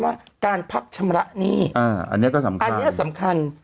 ว่าการพักชำระหนี้อันนี้ก็สำคัญอันนี้สำคัญ